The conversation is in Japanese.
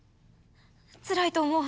つらいと思う。